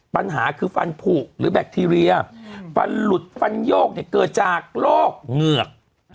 ปัญหาคือฟันผูกหรือแบคทีเรียฟันหลุดฟันโยกเนี่ยเกิดจากโรคเหงือก